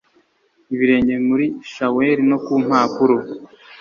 ibirenge muri shaweli no kumpapuro